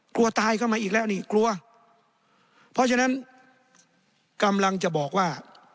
กลัวตายเข้ามาอีกแล้วนี่กลัวเพราะฉะนั้นกำลังจะบอกว่า